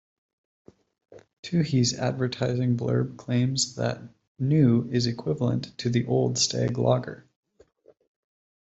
Toohey's advertising blurb claims that New is equivalent to the old Stag lager.